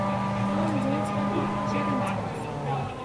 ایونگ لزینگ ژھربو کھو جغِنگ ژھرس